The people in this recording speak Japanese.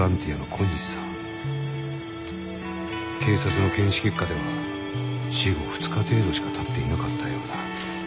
警察の検視結果では死後２日程度しかたっていなかったようだ。